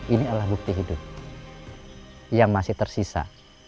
ini alat bukti hidup yang masih tersisa